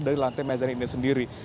dari lantai mezan ini sendiri